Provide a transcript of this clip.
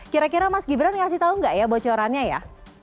kira kira mas gibran ngasih tahu nggak ya bocorannya ya